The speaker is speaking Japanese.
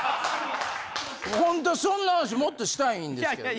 ほんとそんな話もっとしたいんですけどね。